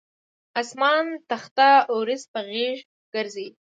اسمان تخته اوریځ په غیږ ګرځي